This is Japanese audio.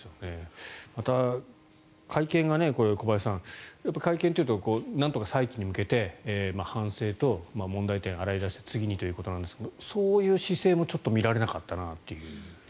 また、会見が小林さん会見というとなんとか再起に向けて反省と問題点を洗い出して次にということなんですがそういう姿勢も見られなかったなという。